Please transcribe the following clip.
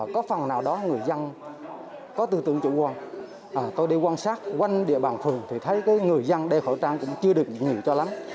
có phần nào đó người dân có tư tưởng chủ quan tôi đi quan sát quanh địa bàn phường thì thấy người dân đeo khẩu trang cũng chưa được nhiều cho lắm